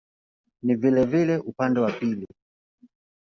Ni vilevile upande wa pili.